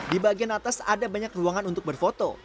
di bagian atas ada banyak ruangan untuk berfoto